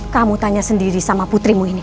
kamu tanya sendiri sama putrimu ini